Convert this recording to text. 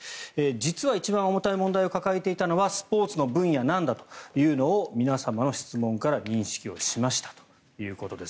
実は一番重たい問題を抱えていたのはスポーツの分野なんだというのを皆様の質問から認識しましたということです。